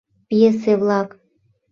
Пьесе-влак